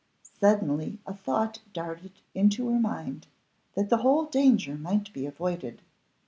Suddenly a thought darted into her mind, that the whole danger might be avoided.